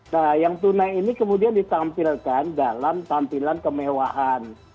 nah yang tunai ini kemudian ditampilkan dalam tampilan kemewahan